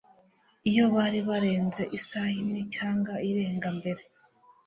Iyo bari barenze isaha imwe cyangwa irenga mbere